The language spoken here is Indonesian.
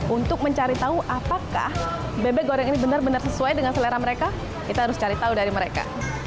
untuk mencari tahu apakah bebek goreng ini benar benar sesuai dengan selera mereka kita harus cari tahu dari mereka